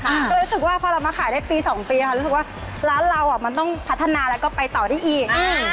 ก็เลยรู้สึกว่าพอเรามาขายได้ปีสองปีค่ะรู้สึกว่าร้านเราอ่ะมันต้องพัฒนาแล้วก็ไปต่อได้อีก